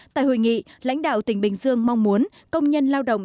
tại hội nghị lãnh đạo tỉnh bình dương mong muốn công nhân lao động